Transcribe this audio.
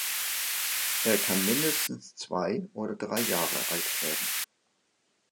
Er kann mindestens zwei oder drei Jahre alt werden.